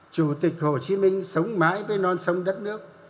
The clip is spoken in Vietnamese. chủ tịch hồ chí minh sống mãi với non sông đất nước